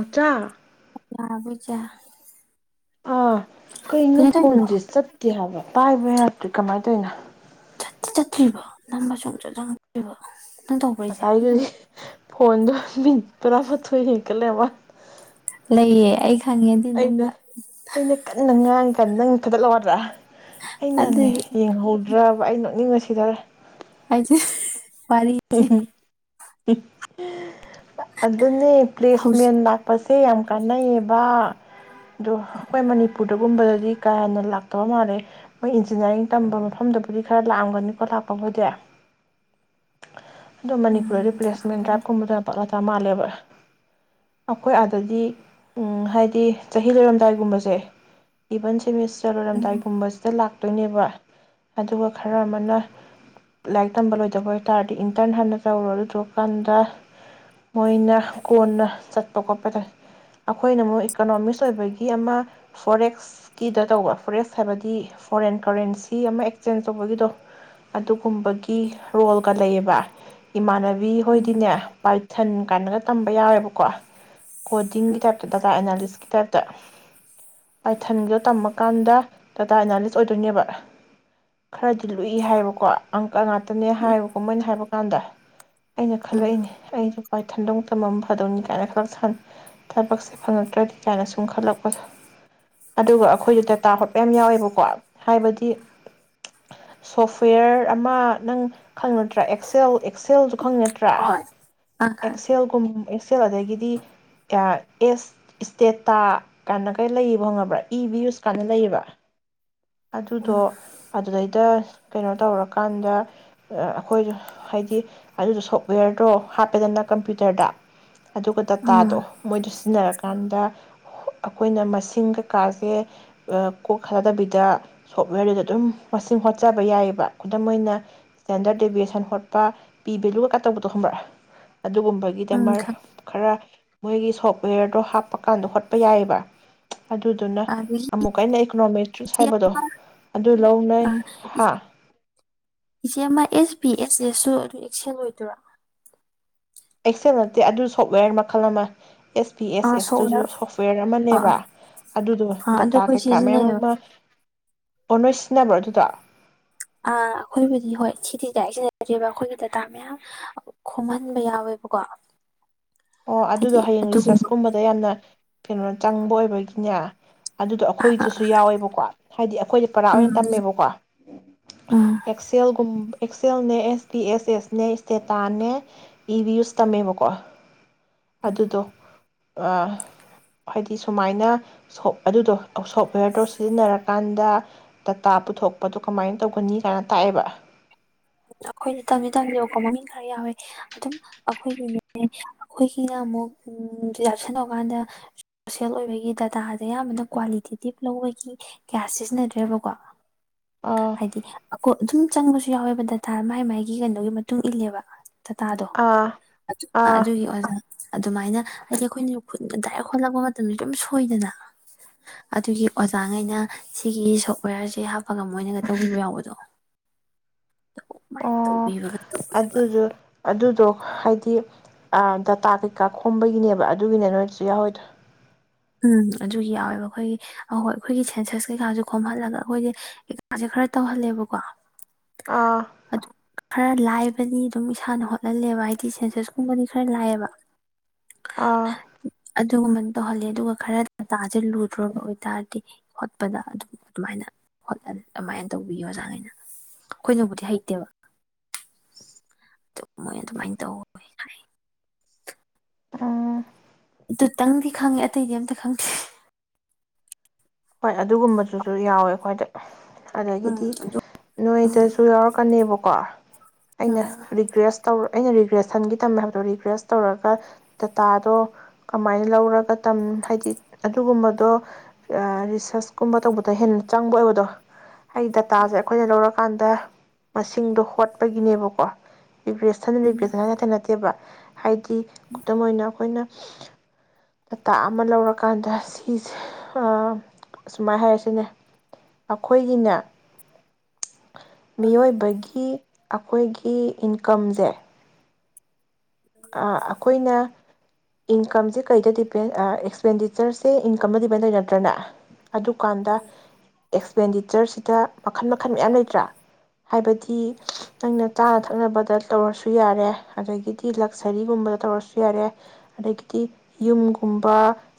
ꯑꯣꯆꯥꯥ ꯌꯥꯕꯨꯖ ꯑꯥ ꯀꯩꯅꯣ ꯐꯣꯟꯁꯦ ꯆꯠꯀꯦ ꯍꯥꯏꯕ ꯄꯥꯏꯕ ꯌꯥꯗ꯭ꯦ ꯀꯃꯥꯏꯅ ꯇꯧꯅꯣ ꯆꯠꯇ꯭ꯔꯤꯕ ꯅꯟꯁꯨ ꯆꯪꯗ꯭ꯔꯤꯕ ꯑꯁꯥꯏꯥꯏꯒꯤꯗꯤ ꯍꯣꯟꯗꯣ ꯃꯤ ꯇꯔꯥ ꯃꯊꯣꯏ ꯍꯦꯟꯀꯠꯂꯦꯕ ꯂꯩꯌꯦ ꯑꯩ ꯈꯪꯉꯦ ꯑꯗꯨꯏꯅꯦ ꯑꯩꯅ ꯑꯩꯅ ꯀꯟꯅ ꯉꯥꯡꯒꯦ ꯅꯪ ꯈꯤꯇ ꯂꯔꯗ꯭ꯔꯥ ꯑꯩꯅꯅꯦ ꯑꯗꯨꯏꯅꯦ ꯌꯦꯡꯍꯧꯗ ꯕ ꯑꯩ ꯅꯣꯛꯅꯤꯡꯉꯁꯤꯗꯔꯦ ꯍꯥꯏꯗꯤꯦ ꯄꯔꯤꯁꯦ ꯍꯤ ꯍꯤ ꯍꯤ ꯑꯗꯨꯅꯤ ꯍꯧꯖꯤꯛ ꯄ꯭ꯂꯦꯁꯃꯦꯟ ꯂꯥꯛꯄꯁ ꯁ ꯌꯥꯝ ꯀꯥꯟꯅꯩꯌꯦꯕ ꯑꯗꯣ ꯑꯩꯈꯣꯏ ꯃꯅꯤꯄꯨꯔ ꯑꯗꯨꯒꯨꯝꯕꯗꯗꯤ ꯀꯥ ꯍꯦꯟꯅ ꯂꯥꯛꯇꯕ ꯃꯥꯜꯂꯦ ꯃꯣꯏ ꯏꯟꯖꯤꯅꯤꯌꯥꯔꯤꯡ ꯇꯝꯕ ꯃꯐꯝꯗꯨꯕꯨꯗꯤ ꯈꯔ ꯂꯥꯛꯑꯝꯒꯅꯤꯀꯣ ꯂꯥꯛꯄꯕꯨꯗꯤ [unintelligible] ꯎꯝ ꯑꯗꯣꯅꯤꯄꯨꯔꯔꯤ꯭ꯂꯦꯁꯃꯦꯟ ꯍꯪꯒꯅꯤ ꯗ꯭ꯔꯥꯏꯕꯀꯨꯝꯕꯅ ꯄꯥꯛꯂꯛ ꯦꯕ ꯑꯩꯣꯏ ꯑꯗꯤ ꯎꯝ ꯍꯥꯏꯗꯤ ꯁꯤ ꯆꯍꯤ ꯂꯩꯔꯝꯗꯥꯏꯒꯨꯝꯕꯁꯦ ꯏꯚꯟ ꯁꯦꯃꯤꯁ ꯎꯝ ꯆꯔꯣꯏꯔꯂꯝꯗꯥꯏꯒꯨꯝꯕꯁꯤꯗ ꯂꯥꯛ ꯊꯣꯛꯥꯛꯇꯣꯏꯅꯦꯕ ꯑꯗꯨꯒ ꯈꯔ ꯑꯃꯅ ꯂꯥꯏꯔꯤꯛ ꯇꯝꯕ ꯂꯣꯏꯗꯕ ꯇꯥꯔꯗꯤ ꯏꯟꯇꯔꯟ ꯍꯥꯟꯅ ꯇꯧꯔꯣ ꯑꯗꯨ ꯊꯣꯛꯣꯛꯑꯀꯥꯟꯗ ꯃꯣꯏꯅ ꯀꯣꯟꯅ ꯆꯠꯄ ꯈꯣꯠꯄꯗ ꯑꯩꯈꯣꯏꯅ ꯑꯃꯨꯛ ꯏꯀꯣꯅꯣꯃꯤꯁ ꯑꯣꯏꯕꯒꯤ ꯑꯃ ꯐꯣꯔꯦꯛꯁꯀꯤꯗ ꯇꯧꯕ ꯐꯣꯔꯦꯛꯁ ꯍꯥꯏꯕꯗꯤ ꯐꯣꯔꯦꯟ ꯀꯔꯦꯟꯁꯤ ꯑꯃ ꯑꯦꯛꯆꯦꯟꯁ ꯇꯧꯕꯒꯤꯗꯣ ꯨꯝꯕꯒꯤ ꯔꯣꯜ ꯋꯥ ꯏꯃꯥꯟ ꯕꯤ ꯍꯣꯏꯗꯤꯅꯦ ꯄꯥꯏꯊꯟ ꯀꯥꯏꯅꯒ ꯇꯝꯕ ꯌꯥꯎꯋꯦꯕꯀꯣ ꯀꯣꯗꯤꯡꯒꯤ ꯇꯥꯏꯞꯇ ꯗꯥꯇꯥ ꯑꯦꯅꯥꯂꯤꯁ ꯇꯥꯏꯞꯇ ꯄꯥꯏꯊꯟꯒꯤꯗꯣ ꯇꯝꯃꯀꯥꯟꯗ ꯇꯇꯥ ꯑꯦꯅꯥꯂꯤꯁ ꯑꯣꯏꯗꯣꯏꯅꯦꯕ ꯈꯔꯗꯤ ꯂꯨꯏ ꯍꯥꯏꯌꯦꯕꯀꯣ ꯑꯪ ꯉꯥꯛꯇꯅꯦ ꯍꯥꯏ ꯀꯃꯣꯏꯅ ꯍꯥꯏꯕ ꯀꯥꯟꯗ ꯑꯩꯅ ꯎꯝ ꯈꯜꯂꯛꯏꯅꯦ ꯑꯩꯁꯨ ꯍꯥꯏ ꯊꯟꯗꯧ ꯇꯝꯐꯝꯝ ꯐꯗꯧꯅꯤ ꯀꯥꯏꯅ ꯈꯜꯂ ꯊꯕꯛꯁꯦ ꯐꯪꯉꯛꯇ꯭ꯔꯗꯤ ꯀꯥꯏꯅ ꯁꯨꯝ ꯈꯜꯂꯛꯄ ꯑꯗꯨꯒ ꯑꯩꯈꯣꯏꯗ ꯇꯇꯥ ꯍꯣꯠ ꯃꯌꯥꯝ ꯌꯥꯎꯋꯦꯕꯀꯣ ꯍꯥꯏꯕꯗꯤ ꯁꯣꯐꯋꯦꯌꯔ ꯑꯃ ꯅꯪ ꯈꯪ ꯅꯠꯇ꯭ꯔꯥ ꯑꯦꯛꯁꯦꯜ ꯑꯦꯛꯁꯦꯜꯗꯨ ꯄꯈꯪ ꯅꯠꯇ꯭ꯔꯥ ꯍꯣꯏ ꯑꯥ ꯈꯪꯉꯦ ꯑꯦꯛꯁꯦꯜꯒꯨꯝ ꯍꯛꯁꯦꯜ ꯑꯗꯒꯤꯗꯤ ꯑꯦꯁ ꯏꯁꯇꯦꯇꯥ ꯀꯥꯏꯅ ꯀꯩ ꯂꯩꯌꯦꯕ ꯈꯪꯉꯕ꯭ꯔꯥ ꯏ ꯚ꯭ꯌꯨꯁ ꯀꯥꯏꯅ ꯂꯩꯌꯦꯕ ꯑꯗꯨꯗꯣ ꯎꯝ ꯑꯗꯨꯗꯩꯗ ꯀꯩꯅꯣ ꯇꯧꯔꯀꯥꯟꯗ ꯑꯩꯈꯣꯏꯗ ꯍꯥꯏꯗꯤ ꯑꯗꯨꯗꯣ ꯁꯣꯞꯋꯦꯔꯗꯣ ꯍꯥꯞꯄꯦꯗꯅ ꯀꯝꯄ꯭ꯌꯨꯇꯔꯗ ꯑꯗꯨꯒ ꯎꯝ ꯗꯇꯥꯗꯣ ꯃꯣꯏꯗ ꯁꯤꯖꯤꯟꯅꯔꯀꯥꯟꯗ ꯑꯩꯈꯣꯏꯅ ꯃꯁꯤꯡ ꯀꯀꯥꯁꯦ ꯀꯣꯛꯍꯜꯂꯗꯕꯤꯗ ꯁꯣꯞꯋꯦꯔꯗꯨꯗ ꯑꯗꯨꯝ ꯃꯁꯤꯡ ꯍꯣꯠꯆꯕ ꯌꯥꯏꯑꯕ ꯈꯨꯗꯝ ꯑꯣꯏꯅ ꯏꯁꯇꯦꯟꯗꯔꯠ ꯗꯦꯕꯤꯌꯦꯁꯟ ꯍꯣꯠꯄ ꯄꯤ ꯚꯦꯂꯨꯒ ꯀ ꯇꯧꯕꯗꯣ ꯈꯨꯝꯕ꯭ꯔ ꯎꯝ ꯑꯗꯨꯒꯨꯝꯕꯒꯤꯗꯃꯛ ꯈꯪ ꯈꯔ ꯃꯣꯏꯒꯤ ꯁꯣꯐꯋꯦꯔꯗꯣ ꯍꯥꯞꯄ ꯀꯥꯟꯗ ꯍꯣꯠꯄ ꯌꯥꯏꯑꯕ ꯑꯗꯨꯗꯨꯅ ꯑꯗꯒꯤ ꯑꯃꯨꯛꯀ ꯑꯩꯅ ꯏꯀꯣꯅꯣꯃꯦꯇ꯭ꯔꯤꯛꯁ ꯏꯆꯦ ꯍꯥꯏꯕꯗꯣ ꯑꯗꯨ ꯂꯧꯅꯩ ꯑ ꯍꯥ ꯏꯆꯦ ꯑꯃ ꯑꯦꯁ ꯄꯤ ꯑꯦꯁ ꯑꯦꯁꯁꯨ ꯑꯗꯨꯝ ꯑꯦꯛꯁꯦꯡ ꯑꯣꯏꯣꯏꯗꯣꯏꯔꯥ ꯑꯦꯛꯁꯦꯜ ꯅꯠꯇꯦ ꯑꯗꯨ ꯁꯣꯞꯋꯦꯔ ꯃꯈꯜ ꯑꯃ ꯑꯦꯁ ꯄꯤ ꯑꯦꯁ ꯑꯥ ꯑꯦꯁꯇꯨꯁꯨ ꯁꯣꯞꯋꯦꯌꯔ ꯁꯣꯐꯋꯦꯔ ꯑꯥ ꯑꯃꯅꯦꯕ ꯑꯗꯨꯗꯣ ꯑꯥ ꯑꯗꯣ ꯗꯇꯥ ꯑꯩꯈꯣꯏ ꯀꯩꯀꯥ ꯃꯌꯥꯝ ꯁꯤꯖꯤꯟꯅꯩꯌꯦꯕ ꯑꯃ ꯑꯣꯔꯁꯤ ꯅꯕ꯭ꯔꯣꯗꯨꯗ ꯑꯥ ꯑꯩꯈꯣꯏꯕꯨꯗꯤ ꯍꯣꯏ ꯁꯤꯗꯤꯗ ꯑꯩ ꯁꯤꯟꯅꯗꯦꯕ ꯑꯩꯈꯣꯏꯒꯤ ꯗꯗꯥꯇꯥ ꯃꯌꯥꯝ ꯈꯣꯝꯍꯟꯕ ꯌꯥꯎꯋꯦꯕꯀꯣ ꯑꯣ ꯑꯗꯨꯗꯣ ꯍꯥꯏꯗꯤ ꯍꯌꯦꯡ ꯑꯗꯨꯒꯨꯝꯕ ꯔꯤꯁꯔꯁꯀꯨꯝꯕꯗ ꯌꯥꯝꯅ ꯀꯩꯅꯣ ꯆꯪꯕ ꯑꯣꯏꯕꯒꯤꯅꯦ ꯑꯗꯨꯗꯣ ꯑꯩꯈꯣꯏꯒꯤꯗꯨꯁꯨ ꯌꯥꯎꯋꯦꯕꯀꯣ ꯍꯥꯏꯗꯤ ꯑꯩꯈꯣꯏꯗꯤ ꯄꯔꯥ ꯎꯝ ꯑꯣꯏꯅ ꯑꯗꯨꯁꯨ ꯇꯝꯃꯦꯕꯀꯣ ꯎꯝ ꯑꯦꯛꯁꯦꯜꯒꯨꯝ ꯑꯦꯛꯁꯦꯜꯅꯦ ꯑꯦꯁ ꯄꯤ ꯑꯦꯁ ꯑꯦꯁꯅꯦ ꯏꯁꯇꯦꯇꯥꯅꯦ ꯏꯚ꯭ꯌꯨꯁ ꯇꯝꯃꯦꯕꯀꯣ ꯑꯗꯨꯗꯣ ꯍꯥꯏꯗꯤ ꯁꯨꯃꯥꯏꯅ ꯑꯗꯨꯗꯣ ꯁꯣꯐꯋꯦꯔꯗꯣ ꯁꯤꯖꯤꯟꯅꯔꯀꯥꯟꯗ ꯗꯇꯥ ꯄꯨꯊꯣꯛꯄꯗꯣ ꯀꯃꯥꯏꯅ ꯇꯧꯒꯅꯤ ꯀꯥꯏꯅ ꯇꯥꯛꯑꯦꯕ ꯑꯩꯈꯣꯏꯅ ꯇꯝꯗꯤ ꯇꯝ ꯌꯧꯄ ꯃꯃꯤꯡ ꯈꯔ ꯌꯥꯎꯋꯦ ꯑꯗꯨꯝ ꯑꯩꯈꯣꯏꯒꯤꯅꯦ ꯑꯩꯈꯣꯏꯒꯤꯅ ꯑꯃꯨꯛ ꯌꯥꯎꯁꯟꯅ ꯀꯥꯟꯗ ꯁꯣꯁꯦꯜ ꯑꯣꯏꯕꯒꯤ ꯗꯗꯥꯇꯥꯁꯦ ꯑꯌꯥꯝꯕꯅ ꯀ꯭ꯋꯥꯂꯤꯇꯤꯇꯤ ꯂꯧꯕꯒꯤ ꯀꯌꯥ ꯁꯤꯖꯤꯟꯅꯗ꯭ꯔꯦꯕꯀꯣ ꯑꯥ ꯍꯥꯏꯗꯤ ꯑꯩꯣꯏ ꯑꯗꯨꯝ ꯆꯪꯕꯁꯨ ꯌꯥꯎꯋꯦꯕꯗ ꯊꯥꯔ ꯃꯥꯏ ꯃꯥꯥꯏꯒꯤ ꯀꯩꯅꯣꯒꯤ ꯃꯇꯨꯡ ꯏꯜꯂꯦꯕ ꯗꯇꯥꯗꯣ ꯑꯥ ꯑꯥ ꯑꯗꯨꯒꯤ ꯑꯣꯖꯥ ꯑꯗꯨꯃꯥꯏꯅ ꯍꯥꯏꯗꯤ ꯑꯩꯈꯣꯏꯅꯁꯨ ꯈꯨꯟꯗ ꯗꯥꯏꯔꯦꯛ ꯍꯣꯜꯂꯛꯄ ꯃꯇꯝꯗ ꯑꯗꯨꯝ ꯁꯣꯏꯗꯅ ꯑꯗꯨꯒꯤ ꯑꯣꯖꯥꯉꯩꯅ ꯁꯤꯒꯤ ꯁꯣꯞꯋꯦꯌꯔꯁꯦ ꯍꯥꯞꯄꯒ ꯃꯣꯏꯅꯒ ꯇꯧꯕꯤꯕ ꯌꯥꯎꯕꯗꯣ ꯑꯗꯨꯃꯥꯏꯅ ꯇꯧꯕꯤꯕꯒ ꯇꯧꯋꯦꯕ ꯑꯗꯨ ꯑꯗꯨꯗꯣ ꯍꯥꯏꯗꯤ ꯗꯇꯥ ꯀꯩꯀꯥ ꯈꯣꯝꯕꯒꯤꯅꯦꯕ ꯑꯗꯨꯒꯤꯅꯦ ꯅꯣꯏꯗꯁꯨ ꯌꯥꯎꯋꯤꯗꯣ ꯎꯝ ꯑꯗꯨꯒꯤ ꯌꯥꯎꯋꯦꯕ ꯑꯩꯈꯣꯏꯒꯤ ꯑꯍꯣꯏ ꯑꯩꯈꯣꯏꯒꯤ ꯁꯦꯟꯁꯁ ꯀꯩꯀꯥꯁꯨ ꯈꯣꯝꯍꯜꯂꯒ ꯑꯩꯈꯣꯏꯗꯤꯀꯥꯁꯦ ꯈꯔ ꯇꯧꯍꯜꯂꯦꯕꯀꯣ ꯑꯥ ꯑꯗꯨ ꯈꯔ ꯂꯥꯏꯕꯅꯤ ꯑꯗꯨꯝ ꯏꯁꯥꯅ ꯍꯣꯠꯍꯜꯂꯦꯕ ꯍꯥꯏꯗꯤ ꯁꯦꯟꯁꯦꯁꯀꯨꯝꯕꯗꯤ ꯈꯔ ꯂꯥꯏꯌꯦꯕ ꯑꯥ ꯑꯗꯨꯒꯨꯝꯕꯅ ꯇꯧꯍꯜꯂꯦ ꯑꯗꯨꯒ ꯈꯔ ꯗꯇꯥꯖꯦ ꯂꯨꯗ꯭ꯔꫭꯕ ꯑꯣꯏꯇꯥꯔꯗꯤ ꯍꯣꯠꯄꯗ ꯑꯗꯨꯝ ꯑꯗꯨꯃꯥꯏꯅ ꯍꫭꯠꯍꯜ ꯑꯗꯨꯃꯥꯏꯅ ꯇꯧꯕꯤ ꯑꯣꯖꯥꯒꯩꯅ ꯑꯩꯈꯣꯏꯅꯕꯨꯗꯤ ꯍꯩꯇꯦꯕ ꯑꯗꯨ ꯃꯣꯏꯅ ꯑꯗꯨꯃꯥꯏꯅ ꯇꯧ ꯍꯥꯏ ꯎꯝ ꯑꯗꯨꯇꯪꯗꯤ ꯈꯪꯉꯦ ꯑꯇꯩꯗꯤ ꯑꯝꯇ ꯈꯪꯗꯦ ꯍꯣꯏ ꯑꯗꯨꯒꯨꯝꯕꯗꯨꯁꯨ ꯌꯥꯎꯋꯦ ꯑꯈꫭꯏꯗ [unintelligible] ꯎꯝ ꯑꯗꯒꯤꯗꯤ ꯑꯗꯨ ꯎꯝ ꯅꯣꯏꯗꯁꯨ ꯌꯥꯎꯔꯛꯀꯅꯦꯕꯀꯣ ꯑꯩꯅ ꯎꯝ ꯔꯤꯒ꯭ꯔꯦꯁ ꯇꯧꯔꯛ ꯑꯩꯅ ꯔꯤꯒ꯭ꯔꯦꯁꯟꯒꯤ ꯇꯝꯃꯦ ꯍꯥꯏꯕꯗꯣ ꯔꯤꯒ꯭ꯔꯦꯁ ꯇꯧꯔꯒ ꯗꯇꯥꯗꯣ ꯀꯃꯥꯏꯅ ꯂꯧꯔꯒ ꯇꯝ ꯍꯥꯏꯗꯤ ꯑꯗꯨꯒꯨꯝꯕꯗꯣ ꯑ ꯔꯤꯁꯔꯁꯀꯨꯝꯕ ꯇꯧꯕꯗ ꯍꯦꯟꯅ ꯆꯪꯕ ꯑꯣꯏꯕꯗꯣ ꯍꯥꯏꯗꯤ ꯗꯇꯥꯖꯦ ꯑꯩꯈꯣꯏꯅ ꯂꯧꯔꯀꯥꯟꯗ ꯃꯁꯤꯡꯗꯣ ꯍꯣꯠꯄꯒꯤꯅꯦꯕꯀꯣ ꯔꯤꯒ꯭ꯔꯦꯁꯟ ꯎꯝ ꯔꯤꯒ꯭ꯔꯦꯁꯟ ꯍꯥꯏꯖꯦ ꯑꯃꯥꯠꯇ ꯅꯠꯇꯦꯕ ꯍꯥꯏ ꯗꯤ ꯈꯨꯗꯝ ꯑꯣꯏꯅ ꯑꯩꯈꯣꯏꯅ [unintelligible] ꯗꯥꯇꯥ ꯑꯃ ꯂꯧꯔꯀꯥꯟꯗ ꯁꯤꯁꯦ [unintelligible] ꯁꯨꯃꯥꯏꯅ ꯍꯥꯏꯔꯁꯤꯅꯦ ꯑꯩꯈꯣꯏꯒꯤꯅꯦ ꯃꯤꯑꯣꯏꯕꯒꯤ ꯑꯩꯈꯣꯏꯒꯤ ꯏꯟꯀꯝꯁꯦ ꯑ ꯑꯩꯈꯣꯏꯅ ꯏꯟꯀꯝꯖꯩ ꯀꯩꯗ ꯗꯤꯄꯦꯟ ꯑ ꯑꯦꯛꯁꯄꯦꯟꯗꯤꯆꯔꯁꯦ ꯏꯟꯀꯝꯗ ꯗꯤꯄꯦꯟ ꯇꯧꯔꯤ ꯅꯠꯇ꯭ꯔꯅ ꯑꯗꯨꯀꯥꯟꯗ ꯑꯦꯛꯁꯄꯦꯟꯗꯤꯆꯔꯖꯤꯗ ꯃꯈꯜ ꯃꯈꯜ ꯃꯌꯥꯝ ꯂꯩꯇ꯭ꯔꯥ ꯍꯥꯏꯕꯗꯤ ꯅꯪꯅ ꯆꯥꯅ ꯊꯛꯅꯕꯗ ꯇꯧꯔꯁꯨ ꯌꯥꯔꯦ ꯑꯗꯒꯤꯗꯤ ꯂꯛꯖꯔꯤꯒꯨꯝꯕꯗ ꯇꯧꯔꯁꯨ ꯌꯥꯔꯦ ꯑꯗꯒꯤꯗꯤ ꯌꯨꯝꯒꯨꯝꯕ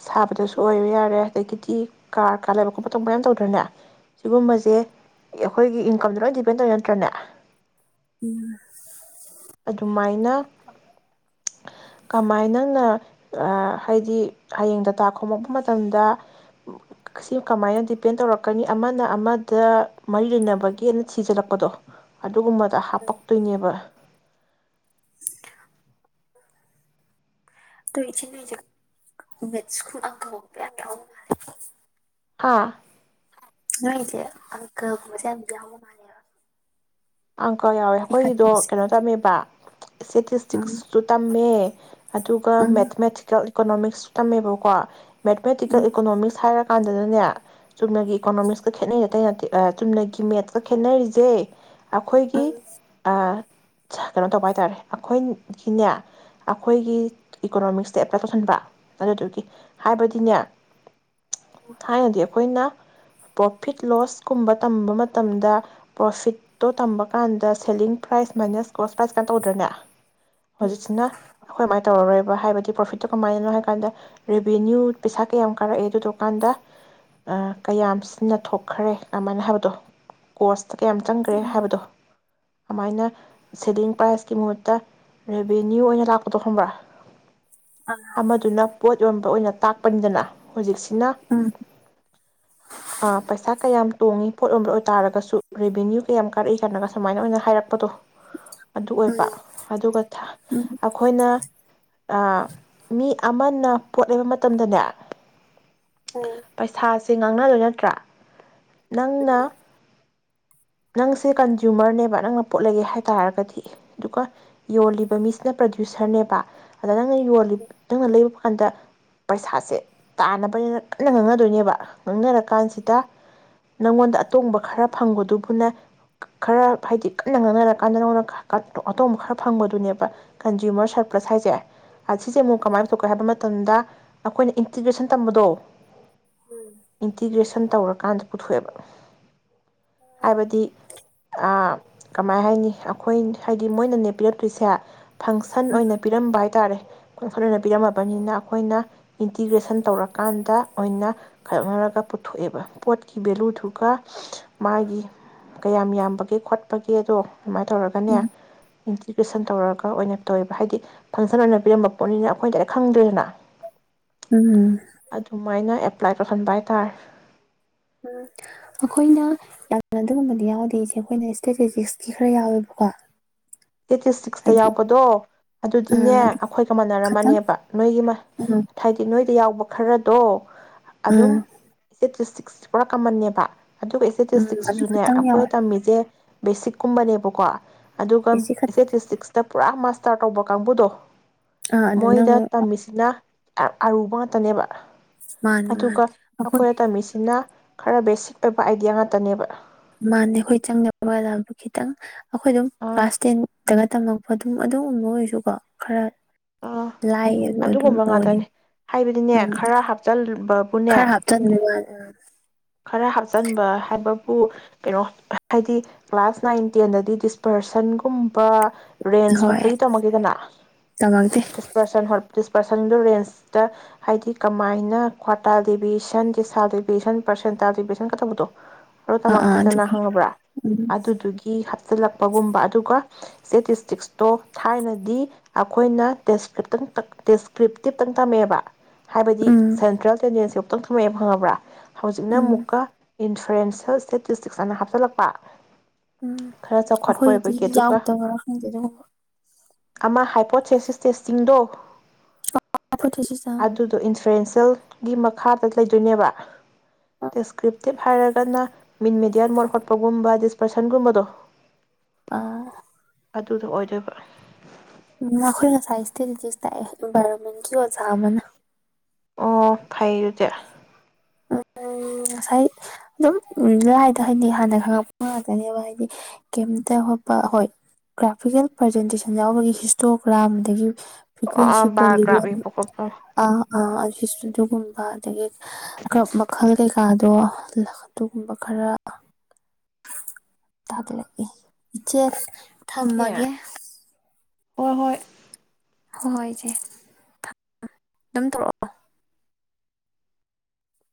ꯁꯥꯕꯗꯖꯨ ꯑꯣꯏꯕ ꯌꯥꯔꯦ ꯑꯗꯒꯤꯗꯤ ꯀꯥꯔ ꯀꯥ ꯂꯩꯕ ꯈꯣꯠꯄ ꯇꯧꯕ ꯃꯌꯥꯝ ꯇꯧꯗ꯭ꯔꯅꯦ ꯁꯤꯒꯨꯝꯕꯁꯦ ꯑꯩꯈꯣꯏꯒꯤ ꯏꯟꯀꯝꯗ ꯂꯣꯏ ꯗꯤꯄꯦꯟ ꯇꯧꯋꯦ ꯅꯠꯇ꯭ꯔꯅꯦ ꯎꯝ ꯑꯗꯨꯃꯥꯏꯅ ꯀꯃꯥꯏꯅ ꯅꯪꯅ ꯍꯥꯏꯗꯤ ꯍꯌꯦꯡ ꯗꯇꯥ ꯈꯣꯝꯃꯛꯄ ꯃꯇꯝꯗ ꯁꯤ ꯀꯃꯥꯏꯅ ꯗꯤꯄꯦꯟ ꯇꯧꯔꯛꯀꯅꯤ ꯑꯃꯅ ꯑꯃꯗ ꯃꯔꯤ ꯂꯩꯅꯕꯒꯤ ꯊꯤꯖꯤꯜꯂꯛꯄꯗꯣ ꯑꯗꯨꯒꯨꯝꯕꯗ ꯍꯥꯞꯄꯛꯇꯣꯏꯅꯦꯕ [unintelligible] ꯃꯦꯠꯁ ꯀꯨꯝꯕ ꯑꯪꯀ ꯍꫭꯠꯄꯥꯗ ꯌꯥꯝ ꯌꯥꯎꯕꯅꯦ ꯍꯥꯥ [unintelligible] ꯑꯪꯀ ꯌꯥꯎꯋꯦ ꯑꯩꯈꯣꯏꯒꯤꯗꯣ ꯏꯀꯥꯏꯕꯁꯦ ꯀꯩꯅꯣ ꯇꯝꯃꯦꯕ ꯎꯝ ꯁꯇꯦꯇꯤꯁꯇꯤꯛꯁꯁꯨꯨ ꯇꯝꯃꯦ ꯑꯗꯨꯒ ꯎꯝ ꯃꯦꯊꯃꯦꯇꯤꯀꯦꯜ ꯏꯀꯣꯅꯣꯃꯤꯛꯁꯨ ꯇꯝꯃꯦꯕꯀꯣ ꯎꯝ ꯃꯦꯠꯃꯦꯇꯤꯀꯦꯜ ꯏꯀꯣꯅꯣꯃꯤꯛꯁ ꯍꯥꯏꯔꯒ ꯀꯥꯟꯗꯅꯦ ꯆꯨꯝꯅꯒꯤ ꯏꯀꯣꯅꯣꯃꯤꯛꯁꯀ ꯈꯦꯠꯅꯩ ꯑꯇꯩ ꯅꯠꯇꯦ ꯆꯨꯝꯅꯒꯤ ꯃꯦꯠꯀ ꯈꯦꯠꯅꯔꯤꯁꯦ ꯑꯈꯣꯏꯒꯤ ꯎꯝ ꯑ ꯆ ꯀꯩꯅꯣ ꯇꯧꯕ ꯍꯥꯏ ꯇꯥꯔꯦ ꯑꯩꯈꯣꯏꯒꯤꯅꯦ ꯑꯩꯈꯣꯏꯒꯤ ꯏꯀꯣꯅꯣꯃꯤꯛꯁꯇ ꯑꯦꯄ꯭ꯂꯥꯏ ꯇꯧꯁꯤꯟꯕꯥ ꯑꯗꯨꯗꯨꯒꯤ ꯍꯥꯏꯕꯗꯤꯅꯦ ꯊꯥꯏꯅꯗꯤ ꯈꯣꯏꯅ ꯄ꯭ꯔꯣꯐꯤꯠ ꯂꯣꯁ ꯀꯨꯝꯕ ꯇꯝꯕ ꯃꯇꯝꯗ ꯄ꯭ꯔꯣꯐꯤꯠ ꯇꯣ ꯇꯝꯕ ꯀꯥꯟꯗ selling price minus cost price ꯀꯥꯏ ꯇꯧꯗ꯭ꯔꯅꯦ ꯍꯧꯖꯤꯛꯁꯤꯅ ꯑꯩꯈꯣꯏꯃꯥꯏꯅ ꯇꯧꯔꯔꯣꯏ꯫ ꯍꯥꯏꯕꯗꯤ ꯄ꯭ꯔꯐꯤꯠꯇꫭ ꫭꯀꯃꯥꯏꯅꯅꯣ ꯍꯥꯏꯀꯥꯟꯗ ꯔꯦꯚꯤꯅꯤꯎ ꯄꯩꯁꯥ ꯀꯌꯥꯝ ꯀꯥꯔꯛꯑꯦ ꯗꯗꯀꯥꯟꯗ ꯑ ꯀꯌꯥꯝ ꯁꯤꯟꯅꯊꫭꯛꯈꯔꯦ ꯑꯃꯟ ꯍꯥꯏꯕꯗꫭ ꯀꫭꯁꯠ ꯀꯌꯥꯝ ꯆꯪ ꯔꯦ ꯎꯝ ꯍꯥꯏꯕꯗꯣ ꯑꯃꯥꯏꯅ ꯁꯦꯂꯤꯡ ꯄ꯭ꯔꯥꯏꯁꯀꯤ ꯃꯍꯨꯠꯇ ꯔꯦꯚꯤꯅ꯭ꯌꯨ ꯑꯣꯏꯅ ꯂꯥꯛꯄꯗꯣ ꯈꯪꯕ꯭ꯔꯥ꯫ ꯑꯃꯗꯨꯅ ꯄꯣꯠ ꯌꯣꯟꯕ ꯑꯣꯏꯅ ꯇꯥꯛ ꯄꯅꯤꯗꯅ ꯍꯧꯖꯤꯛꯁꯤ ꯅ ꯑ ꯄꯩꯁꯥ ꯀꯌꯥꯝ ꯇꯣꯡꯉꯤ ꯄꯣꯠ ꯌꯣꯟꯕ ꯑꯣꯏꯇꯥꯥꯔꯒꯁꯨ ꯔꯦꯚꯤꯅ꯭ꯌꯨ ꯀ ꯌꯥꯝ ꯀꯥꯔꯛꯏ ꯀꯥꯏꯅꯒ ꯁꯨꯃꯥꯏꯅ ꯑꯣꯏꯅ ꯍꯥꯏꯔꯛꯄꯗꯣ ꯑꯗꯨ ꯎꯝ ꯑꯣꯏꯕ ꯑꯗꯨꯒ ꯊ ꯎꯝ ꯑꯩꯈꯣꯏꯅ ꯑꯥ ꯃꯤ ꯑꯃꯅ ꯄꯣꯠ ꯂꯩꯕ ꯃꯇꯝꯗꯅꯦ ꯄꯩꯁꯥꯁ ꯁꯤ ꯉꯥꯡꯅꯗ ꯅꯠꯇ꯭ꯔꯥ ꯅꯪꯅ ꯅꯪꯁꯦ ꯀꯟꯖꯨꯃꯔꯅꯦꯕ ꯅꯪꯅ ꯄꯣꯠ ꯂꯩꯒꯦ ꯍꯥꯏ ꯇꯥꯔꯒꯗꯤ ꯑꯗꯨꯒ ꯌꯣꯜꯂꯤꯕ ꯃꯤꯁꯤꯅ ꯄ꯭ꯔꯗ꯭ꯌꯨꯁꯔꯅꯦꯕ꯫ ꯅꯪꯅ ꯌꯣꯜꯂꯤ ꯅꯪꯅ ꯂꯩ ꯍꯟꯗ ꯄꯩꯁꯥꯁꯦ ꯇꯥꯅꯕꯅꯤꯅ ꯀꯟꯅ ꯉꯥꯡꯅꯗꯣꯏꯅꯦꯕ ꯉꯥꯡꯅꯔꯀꯥꯟꯁꯤꯗ ꯅꯪꯉꯣꯟꯗ ꯑꯇꯣꯡꯕ ꯈꯔ ꯐꯪꯕꯗꯨ ꯄꯨꯟꯅ ꯈꯔ ꯍꯥꯏꯗꯤ ꯀꯟꯅ ꯉꯥꯡꯅꯔꯀꯥꯟꯗ ꯅꯪꯉꫭꯟꯗ ꯈ ꯑꯇꯣꯡꯕ ꯈꯔ ꯐꯪꯕꯗꯨꯅꯦꯕ ꯀꯟꯖꯨꯃꯔ ꯁꯔꯄꯁ ꯍꯥꯏꯁꯦ꯫ ꯑꯁꯤꯁꯦ ꯑꯃꯨꯛ ꯀꯃꯥꯏꯅ ꯄꯨꯊꯣꯛꯀꯦ ꯍꯥꯏꯕ ꯃꯇꯝꯗ ꯑꯈꯣꯏꯅ ꯏꯟꯇꯤꯒ꯭ꯔꯦꯁꯟ ꯇꯝꯕꯗꯣ ꯏꯟꯇꯤꯒ꯭ꯔꯦꯁꯟ ꯇꯧꯔꯛ ꯀꯥꯟꯗꯦ ꯄꯨꯊꯣꯛꯑꯦꯕ ꯍꯥꯏꯕꯗꯤ ꯑ ꯀꯃꯥꯏ ꯍꯥꯏꯅꯤ ꯑꯩꯈꯣꯏ ꯍꯥꯏꯗꯤ ꯃꯣꯏꯅ ꯅꯦ ꯄꯤꯔꯛꯇꯣꯏꯁꯦ ꯐꯪꯁꯟ ꯑꯣꯏꯅ ꯄꯤꯔꯝꯕ ꯍꯥꯏꯇꯥꯔꯦ [inaudible] ꯑꯣꯏꯅ ꯄꯤꯔꯝꯃꯕꯅꯤꯅ ꯑꯩꯈꯣꯏꯅ ꯏꯟꯇꯤꯒ꯭ꯔꯦꯁꯟ ꯇꯧꯔꯀꯥꯟꯗ ꯑꯣꯏꯅ ꯈꯥꯏꯗꯣꯛꯅꯔꯒ ꯄꯨꯊꯣꯛꯑꯦꯕ ꯄꯣꯠꯀꯤ ꯚꯦꯂꯨꯗꯨꯒ ꯃꯥꯒꯤ ꯀꯌꯥꯝ ꯌꯥꯝꯕꯒꯦ ꯈꯣꯠꯄꯒꯦ ꯑꯗꯣ ꯑꯗꯨꯃꯥꯏꯅ ꯇꯧꯔꯒꯅꯦ ꯏꯟꯇꯤꯒ꯭ꯔꯦꯁꯟ ꯇꯧꯔꯒ ꯑꯣꯏꯅ ꯇꯧꯋꯦꯕ ꯍꯥꯏꯗꯤ ꯐꯪꯁꯟ ꯑꯣꯏꯅ ꯄꯤꯔꯝꯕ ꯄꯣꯠꯅꯤꯅ ꯑꯩꯈꯣꯏ ꯗꯥꯏꯔꯦꯛ ꯈꯪꯗ꯭ꯔꯦꯗꯅ꯫ ꯎꯝ ꯎꯝ [unintelligible] ꯑꯗꯨꯃꯥꯏꯅ ꯐ꯭ꯂꯥꯏꯠ [unintelligible] ꯍꯥꯏꯇꯥꯔꯦ ꯎꯝ ꯑꯩꯈꯣꯏꯅ ꯌꯥꯝꯅ ꯑꯗꯨꯒꯨꯝꯕꯗꯤ ꯌꯥꯎꯗꯦ ꯏꯆꯦ ꯑꯩꯈꯣꯏꯅ ꯏꯁꯇꯦꯇꯦꯇꯤꯛꯁꯇꯤ ꯈꯔ ꯌꯥꯎꯋꯦꯕꯀꯣ ꯏꯁꯇꯦꯇꯦꯇꯤꯛꯁꯇ ꯍꯥꯏꯗꯤ ꯌꯥꯎꯕꯗꯣ ꯑꯗꯨꯗꯤꯅꯦ ꯑꯥ ꯑꯗꯨ ꯑꯩꯈꯣꯏꯒ ꯈꯇꯪ ꯃꯥꯟꯅꯔꯝꯃꯅꯦꯕ ꯅꯣꯏꯒꯤ ꯎꯝ ꯍꯥꯏꯗꯤ ꯅꯣꯏ ꯇ ꯌꯥꯎꯕ ꯈꯔꯗꯣ ꯑꯗꯨꯝ ꯎꯝ [unintelligible] ꯄꯨꯔꯥ ꯀꯃꯟꯅꯦꯕ ꯑꯗꯨꯒ ꯎꯝ ꯏꯁꯇꯦꯇꯦꯇꯤꯛꯁ ꯑꯗꯨ ꯖꯨꯅꯦ ꯈꯇꯪ ꯑꯩꯈꯣꯏꯅ ꯌꯥꯎꯋꯦ ꯇꯝꯃꯤꯖꯦ ꯕꯦꯁꯤꯛꯀꯨꯝꯕꯅꯦꯕꯀꯣ ꯑꯗꯨꯒ ꯕꯦꯁꯤꯛ ꯈꯛꯇꯅꯦ ꯏꯁꯇꯦꯇꯦꯇꯤꯛꯁ ꯇ ꯄꯨꯔꯥ ꯃꯥꯁꯇꯔ ꯇꯧꯕ ꯀꯥꯡꯕꯨꯗꯣ ꯑꯥ ꯑꯗꯨꯅ ꯃꯣꯏꯗ ꯑꯃꯨꯛ ꯇꯝꯃꯤꯁꯤꯅ ꯌꯥꯝ ꯑꯔꯨꯕ ꯉꯥꯛꯇꯅꯦꯕ ꯃꯥꯅꯦ ꯃꯥꯅꯦ ꯑꯗꯨꯒ ꯑꯩꯈꯣꯏ ꯑꯩꯈꯣꯏꯅ ꯇꯝꯃꯤꯁꯤꯅ ꯈꯔ ꯕꯦꯁꯤꯛ ꯑꯣꯏꯕ ꯑꯥꯏꯗꯤꯌꯥ ꯉꯥꯛꯇꯅꯦꯕ ꯃꯥꯅꯦ ꯑꯩꯈꯣꯏ ꯆꯪꯅꯕ ꯀꯂꯥꯕꯨ ꯈꯤꯇꯪ ꯑꯩꯈꯣꯏ ꯑꯗꯨꯝ ꯑꯥ ꯀ꯭ꯂꯥꯁ ꯇꯦꯟꯗꯒ ꯇꯝꯅ ꯑꯗꯨꯝ ꯑꯗꯨꯒꯨꯝꯕ ꯑꯣꯏꯔꯁꯨꯀꯣ ꯈꯔ ꯑꯥ ꯂꯥꯏꯌꯦꯕ ꯑꯗꯨꯝ ꯑꯗꯨꯒꯨꯝꯕ ꯑꯣꯏꯌꯦ ꯉꯥꯛꯇꯅꯤ ꯍꯥꯏꯕꯗꯤꯅꯦ ꯎꯝ ꯈꯔ ꯍꯥꯞꯆꯤꯟꯕꯕꯨꯅꯦ ꯈꯔ ꯍꯥꯞꯆꯟꯕꯩ ꯋꯅꯦꯕ ꯈꯔ ꯍꯥꯞꯆꯟꯕ ꯍꯥꯏꯕꯕꯨ ꯀꯩꯅꯣ ꯍꯥꯏꯗꯤ ꯀ꯭ꯂꯥꯁ ꯅꯥꯏꯟ ꯇꯦꯟꯗꯗꯤ ꯗꯤꯁꯄꯔꯁꯟꯒꯨꯝꯕ ꯔꯦꯟꯖ ꯍꯣꯏ ꯍꯣꯠꯄꯒꯤ ꯇꯝꯃꯛꯇꯦꯗꯅ ꯇꯝꯃꯛꯇꯦ ꯇꯤꯁ ꯄꯥꯔꯁꯟ ꯍꯣꯠ ꯗꯤꯁꯄꯔꯁꯟꯗꫭ ꯔꯦꯟꯖꯇ ꯍꯥꯏꯗꯤ ꯀꯃꯥꯏꯅ ꯀ꯭ꯋꯥꯇꯥ ꯗꯦꯕꯤꯌꯦꯁꯟ ꯗꯤꯁꯥ ꯗꯦꯕꯤꯌꯦꯁꯟ ꯄꯔꯁꯦꯟ ꯄꯔꯁꯦꯟ ꯀꯕꯗꯣ ꯑꯗꯨ ꯑꯥ ꯑꯥ ꯑꯗꯨ ꯇꯃꯛꯇꯦꯗꯅ ꯈꯪꯉꯕ꯭ꯔꯥ ꯎꯝ ꯑꯗꯨꯗꯨꯒꯤ ꯁꯤꯜꯂꯛꯄꯒꯨꯝꯕ ꯑꯗꯨꯒ ꯁꯇꯦꯇꯤꯁꯇꯤꯛꯁꯇꯣ ꯊꯥꯏꯅꯗꯤ ꯑꯩꯈꯣꯏꯅꯦ ꯗꯦꯁꯀ꯭ꯔꯤꯞꯇꯪ ꯗꯦꯁꯀ꯭ꯔꯤꯞꯇꯤꯞꯇꯪ ꯇꯝꯃꯛꯑꯦꯕ ꯍꯥꯏꯕꯗꯤ ꯎꯝ ꯁꯦꯟꯇ꯭ꯔꯦꯜ [unintelligible] ꯈꯤꯇꯪ ꯊꯝꯃꯥꯛ ꯑꯦꯕ ꯈꯪꯉꯕ꯭ꯔꯥ ꯍꯧꯖꯤꯛꯅ ꯎꯝ ꯑꯃꯨꯛꯀ ꯏꯟꯐ꯭ꯂ꯭ꯔꯦꯟꯁꯦꯜ ꯏꯁꯇꯦꯇꯤꯁꯇꯤꯛꯁ ꯑꯅ ꯍꯥꯞꯆꯤꯜꯂꯛꯄ ꯎꯝ ꯈꯔ ꯆꯥꯎꯈꯠꯄ ꯑꯩꯈꯣꯏꯗꯤ ꯑꯣꯏꯕꯒꯤ ꯑꯗꯨꯒ ꯌꯥꯎꯗꯕ꯭ꯔꯥ ꯈꯪꯗꯦ ꯑꯗꯨ ꯑꯃ ꯍꯥꯏꯄꯣꯁꯦꯁꯤꯁ ꯇꯦꯁꯇꯤꯡꯗꯣ ꯑꯩꯈꯣꯏꯗꯁꯨ ꯑꯥ ꯑꯗꯨꯗꯣ [unintelligible] ꯒꯤ ꯃꯈꯥꯗ ꯂꯩꯗꯣꯏꯅꯦꯕ ꯗꯤꯁꯀ꯭ꯔꯤꯞꯇꯤꯚ ꯍꯥꯏꯔꯒꯅ ꯃꯤꯟ ꯃꯦꯗꯤꯌꯥꯟ ꯃꯣꯠ ꯍꯣꯠꯄꯒꯨꯝꯕ ꯗꯤꯁꯄꯔꯁꯟꯒꯨꯝꯕꯗꯣ ꯑ ꯑꯗꯨꯗꯣ ꯑꯣꯏꯗꯣꯏꯕ꯫ ꯃꯈꯣꯏ ꯉꯁꯥꯏ ꯏꯁꯇꯦꯇꯤꯁꯇꯤꯛ ꯇꯥꯛꯑꯦ ꯏꯟꯚꯥꯏꯔꯣꯟꯃꯦꯟꯀꯤ ꯑꯣꯖꯥ ꯑꯃꯅ꯫ ꯑꯣ ꯐꯥꯏꯌꯦ ꯗꯨꯗꯤ꯫ ꯎꯝ ꯉꯁꯥꯏ ꯑꯗꯨꯝ ꯂꯥꯏꯗ ꯍꯥꯏꯗꯤ ꯍꯥꯟꯅ ꯈꯪꯉꯛꯄ ꯉꯥꯛꯇꯅꯦꯕ ꯍꯥꯏꯗꯤ ꯀꯩꯝꯇ ꯈꯣꯠꯄ ꯍꫭꯏ ꯒ꯭ꯔꯥꯐꯤꯀꯦꯜ ꯄ꯭ꯔꯖꯦꯟꯇꯦꯁꯟ ꯌꯥꯎꯕꯒꯤ ꯍꯤꯁꯇꯣꯒ꯭ꯔꯥꯝ ꯑꯗꯒꯤ ꯐ꯭ꯔꯤꯀ꯭ꯋꯦꯟꯁꯤ ꯑꯥ ꯕꯥꯔ ꯒ꯭ꯔꯥꯐ ꯄꫭꯜꯂꯤꯒꫭꯟ ꯌꯦꯛꯄ ꯈꯣꯠꯄ ꯑ ꯑꯥ [inaudible] ꯀꯨꯝꯕ ꯑꯗꯒꯤ ꯀꯞ ꯃꯈꯜ ꯀꯩꯀꯥꯗꯣ ꯂ ꯑꯗꯨꯒꯨꯝꯕ ꯈꯔ ꯇꯥꯗ ꯂꯛꯏ ꯏꯆꯦ ꯊꯝꯃꯒꯦ꯫ ꯍꯣꯏꯅꯦ ꯍꯣꯏ ꯍꯣꯏ ꯍꯣꯏ ꯍꯣꯏꯁꯦ ꯑꯗꯨꯝ ꯇꯔꯛꯑꯣ